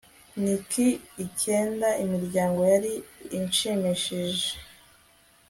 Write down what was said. Nicky Icyenda Imiryango yari ishimishije